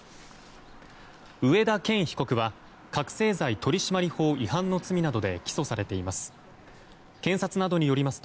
上田健被告は覚醒剤取締法違反の罪などで起訴されています。